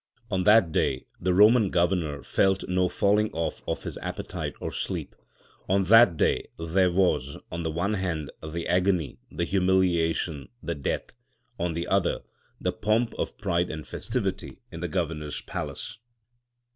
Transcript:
On that day the Roman governor felt no falling off of his appetite or sleep. On that day there was, on the one hand, the agony, the humiliation, the death; on the other, the pomp of pride and festivity in the Governor's palace.